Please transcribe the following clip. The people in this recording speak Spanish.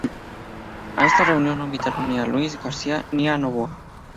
A esta reunión no invitaron ni a Luis García ni a Novoa.